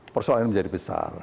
persoalan menjadi besar